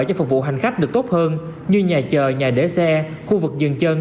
cho phục vụ hành khách được tốt hơn như nhà chờ nhà để xe khu vực dừng chân